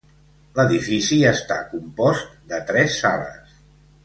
L'edifici està compost de tres sales.